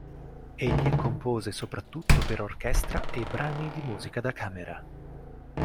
Egli compose soprattutto per orchestra e brani di musica da camera.